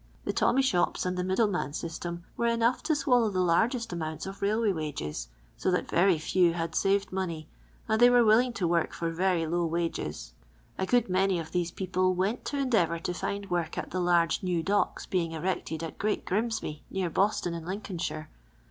The tomrny shops ■and the middle man system were enough to swallow the largest amount of railway wnges, so that very few had wcrcd. money, and they were willing to work for very low WKgn. A good many of these people went to endeavour to find work at the large new docks being erected at Great Grimsby, near Boston, in Lincolnshire.